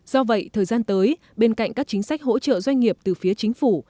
do vậy thời gian tới bên cạnh các chính sách hỗ trợ doanh nghiệp từ phía chính phủ